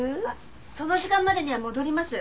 その時間までには戻ります。